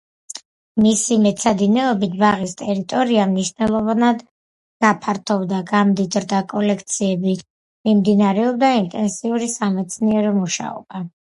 მისი მეცადინეობით ბაღის ტერიტორია მნიშვნელოვნად გაფართოვდა, გამდიდრდა კოლექციები; მიმდინარეობდა ინტენსიური სამეცნიერო მუშაობა.